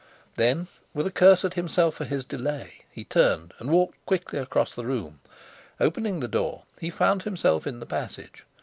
Then, with a curse at himself for his delay, he turned and walked quickly across the room. Opening the door, he found himself in the passage.